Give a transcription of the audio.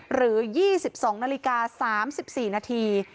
หรือ๒๒นาฬิกา๓๔นาที